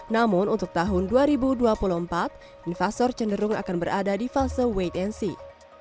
namun untuk tahun dua ribu dua puluh empat investor cenderung akan berada di fase wait and see